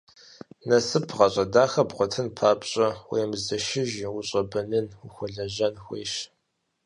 Насып, гъащӏэ дахэ бгъуэтын папщӏэ, уемызэшыжу ущӏэбэнын, ухуэлэжьэн хуейщ.